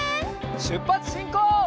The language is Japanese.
しゅっぱつしんこう！